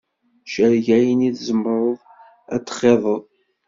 Cerreg ayen i tzemreḍ ad t-txiḍeḍ.